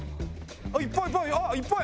いっぱいいっぱい。